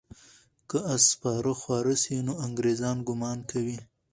که آس سپاره خواره سي، نو انګریزان ګمان کوي.